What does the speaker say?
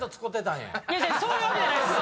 そういうわけじゃないです！